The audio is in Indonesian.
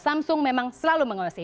samsung memang selalu mengawasi